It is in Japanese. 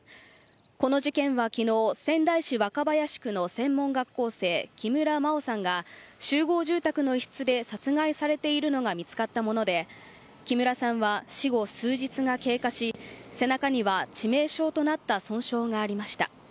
この事件は昨日仙台市若林区の専門学校生、木村真緒さんが集合住宅の一室で殺害されているのが見つかったもので、木村さんは死後数日が経過し、背中には致命傷となった損傷がありました。